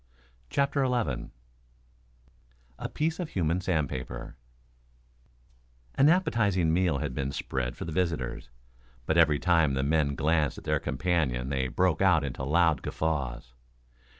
CHAPTER XI A PIECE OF HUMAN SANDPAPER An appetizing meal had been spread for the visitors. But every time the men glanced at their companion they broke out into loud guffaws.